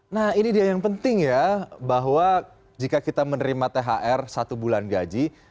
nah ini dia yang penting ya bahwa jika kita menerima thr satu bulan gaji